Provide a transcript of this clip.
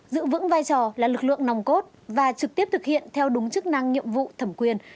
giữ vững vai trò là lực lượng nòng cốt và trực tiếp thực hiện theo đúng chức năng nhiệm vụ thẩm quyền